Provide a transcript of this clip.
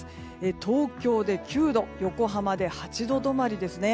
東京で９度横浜で８度止まりですね。